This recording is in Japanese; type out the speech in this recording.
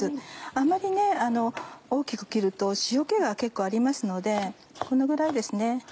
あまり大きく切ると塩気が結構ありますのでこのぐらいですね。